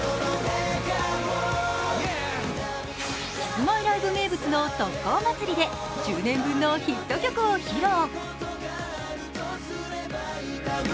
キスマイライブ名物の特効祭りで１０年分のヒット曲を披露。